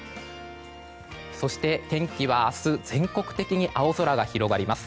そして、天気は明日全国的に青空が広がります。